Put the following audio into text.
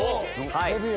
デビュー！